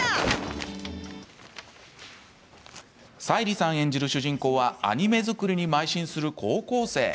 沙莉さん演じる主人公はアニメ作りにまい進する高校生。